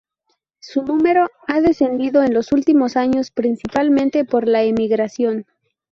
Su número ha descendido en los últimos años principalmente por la emigración.